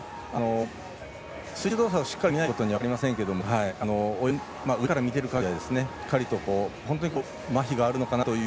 水中動作をしっかり見ないことには分かりませんが上から見ている限りはしっかりと、まひがあるのかなと。